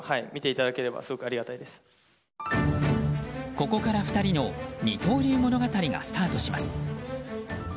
ここから２人の二刀流物語がスタートします。